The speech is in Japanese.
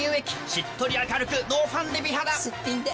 しっとり明るくノーファンデ美肌すっぴんで。